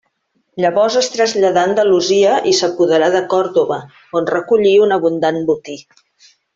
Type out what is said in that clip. Llavors es traslladà a Andalusia i s'apoderà de Còrdova, on recollí un abundant botí.